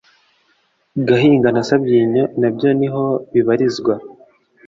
Gahinga na Sabyinyo nabyo niho bibarizwa